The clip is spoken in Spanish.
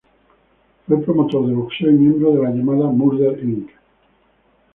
Fue promotor de boxeo y miembro de la llamada Murder, Inc.